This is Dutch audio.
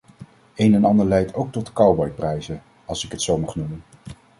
Een en ander leidt ook tot cowboyprijzen, als ik het zo mag noemen.